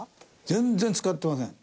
全然使ってません。